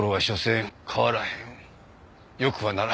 よくはならへん。